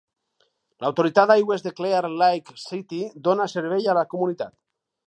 L'autoritat d'aigües de Clear Lake City dóna servei a la comunitat.